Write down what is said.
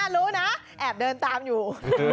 รู้นะแอบเดินตามอยู่